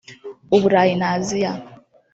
u Burayi na Aziya